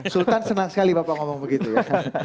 sultan senang sekali bapak ngomong begitu ya